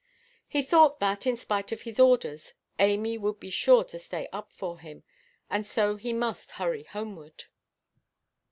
He thought that, in spite of his orders, Amy would be sure to stay up for him, and so he must hurry homeward.